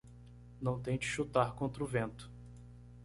Não tente chutar contra o vento.